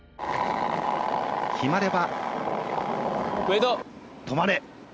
決まれば。